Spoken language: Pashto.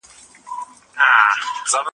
دا څیړنه د ټولنپوهنې په وده کي اغیزناکه وه.